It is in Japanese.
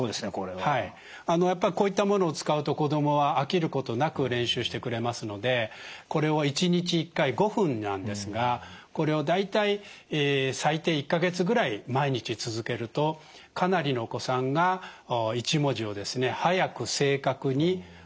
はいやっぱりこういったものを使うと子どもは飽きることなく練習してくれますのでこれを１日１回５分なんですがこれを大体最低１か月ぐらい毎日続けるとかなりのお子さんが１文字を速く正確に楽に読めるようになっていきます。